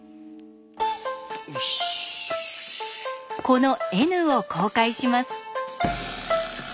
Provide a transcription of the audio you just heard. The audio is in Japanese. このＮを公開します。